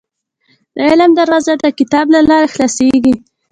• د علم دروازه، د کتاب له لارې خلاصېږي.